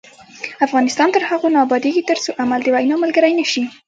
افغانستان تر هغو نه ابادیږي، ترڅو عمل د وینا ملګری نشي.